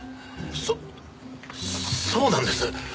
そっそうなんです。